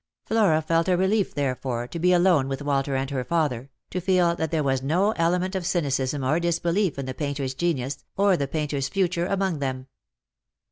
Flora felt it a relief, therefore, to be alone with Walter and her father, to feel that there was no element of cynicism or disbelief in the painter's genius, or the painter's future, among them.